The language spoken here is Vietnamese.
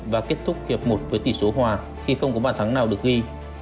và kết thúc hiệp một với tỷ số hòa khi không có bàn thắng nào được ghi